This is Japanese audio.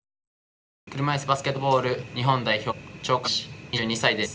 車いすバスケットボール日本代表、鳥海連志、２２歳です。